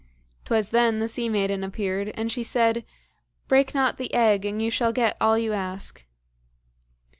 'Twas then the sea maiden appeared, and she said, "Break not the egg, and you shall get all you ask."